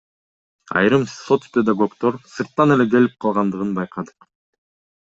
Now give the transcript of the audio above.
Айрым соцпедагогдор сырттан эле келип калгандыгын байкадык.